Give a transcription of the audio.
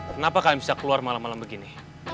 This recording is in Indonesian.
kenapa kalian bisa keluar malam malam begini